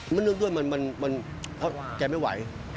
มันด้วยมันเขาแกไม่ไหว